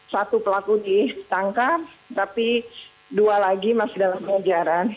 satu pelaku ditangkap tapi dua lagi masih dalam pengejaran